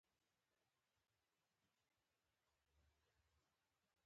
ګرانه زما دوا جنين تشويقوي.